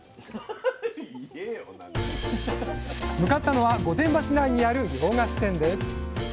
向かったのは御殿場市内にある洋菓子店です